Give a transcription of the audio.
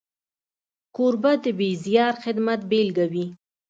کوربه د بېریا خدمت بيلګه وي.